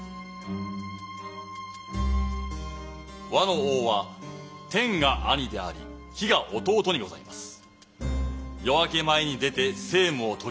倭の王は天が兄であり日が弟にございます。